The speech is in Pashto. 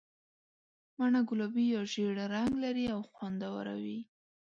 مڼه ګلابي یا ژېړ رنګ لري او خوندوره وي.